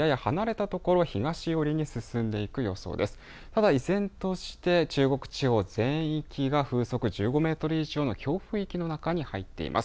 ただ依然として中国地方は全域が風速１５メートル以上の強風域の中に入っています。